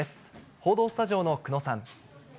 報道スタジオの久野さん。